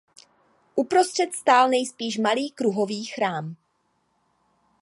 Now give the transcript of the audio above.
Uprostřed stál nejspíš malý kruhový chrám.